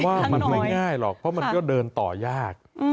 ว่ามันไม่ง่ายหรอกเพราะมันก็เดินต่อยาก